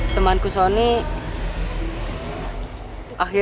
ntar kita mulai